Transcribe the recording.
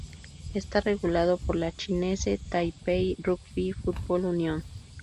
Está regulado por la "Chinese Taipei Rugby Football Union".